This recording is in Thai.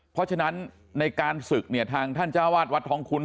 เพราะฉะนั้นในการศึกเนี่ยทางท่านเจ้าวาดวัดทองคุณ